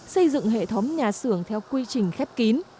xây dựng hệ thống nhà xưởng theo quy trình khép kín